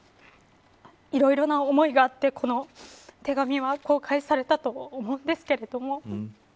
いろいろな思いがあってこの手紙は、公開されたと思うんですけれども。